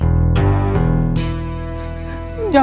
jangan lama lama ya kang